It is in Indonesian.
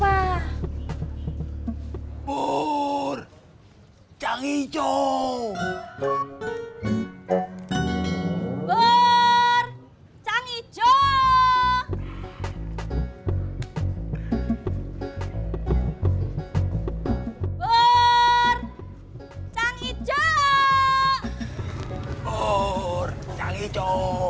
hai ber cang ijo ber cang ijo ber cang ijo